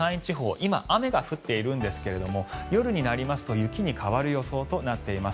今、雨が降っているんですが夜になりますと雪に変わる予想となっています。